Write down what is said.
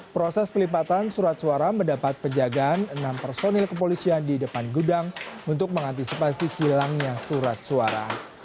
proses pelipatan surat suara mendapat penjagaan enam personil kepolisian di depan gudang untuk mengantisipasi hilangnya surat suara